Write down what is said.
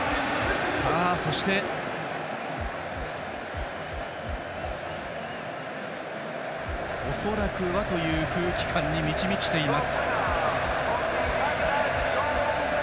そして、恐らくはという空気感に満ち満ちています。